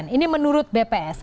ini menurut bps